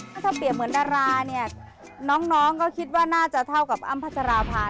ถ้าเปลี่ยนเหมือนนาราน้องก็คิดว่าน่าจะเท่ากับอัมพจรภา